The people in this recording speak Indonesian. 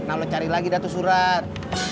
nah lo cari lagi dah tuh surat